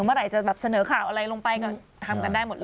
เมื่อไหร่จะแบบเสนอข่าวอะไรลงไปก็ทำกันได้หมดเลย